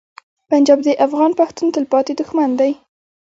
پنجاب د افغان پښتون تلپاتې دښمن دی.